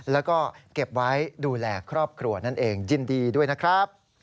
แล้วก็เก็บไว้ดูแลครอบครัวนั่นเองยินดีด้วยนะครับ